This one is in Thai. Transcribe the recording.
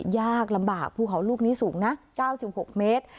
ยากลำบากภูเขาลูกนี้สูงนะเจ้าสิบหกเมตร